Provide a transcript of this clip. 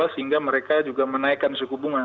sehingga mereka juga menaikkan suku bunga